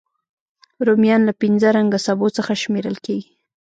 رومیان له پینځه رنګه سبو څخه شمېرل کېږي